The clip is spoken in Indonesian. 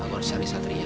aku harus cari satria